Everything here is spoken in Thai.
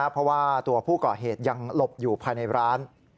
เพราะว่าตัวผู้ก่อเหตุยังหลบอยู่ภายในร้าน